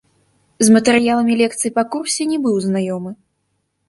З матэрыяламі лекцый па курсе не быў знаёмы.